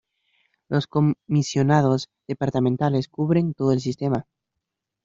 Los comisionados departamentales cubren todo el sistema.